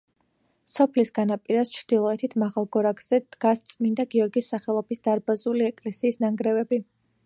სოფლის განაპირას, ჩრდილოეთით, მაღალ გორაკზე დგას წმინდა გიორგის სახელობის დარბაზული ეკლესიის ნანგრევები.